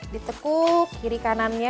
ditekuk kiri kanannya